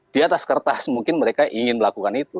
di atas kertas mungkin mereka ingin melakukan itu